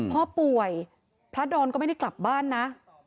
พ่อป่วยพระดอนก็ไม่ได้กลับบ้านนะ